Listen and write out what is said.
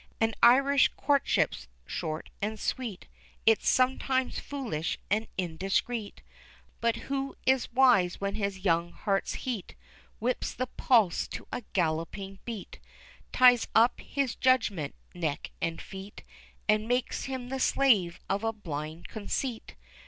An Irish courtship's short and sweet, It's sometimes foolish and indiscreet; But who is wise when his young heart's heat Whips the pulse to a galloping beat Ties up his judgment neck and feet And makes him the slave of a blind conceit?